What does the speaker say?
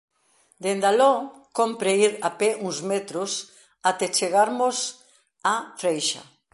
Dende aló cómpre ir a pé uns metros até chegarmos á freixa.